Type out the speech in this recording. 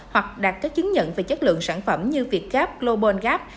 hoặc đặt các chứng nhận về chất lượng sản phẩm như việt gap global gap